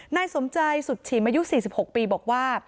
นายสมใจสุดฉิมอายุ๔๖ปีบอกว่า